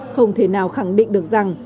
không thể nào khẳng định được rằng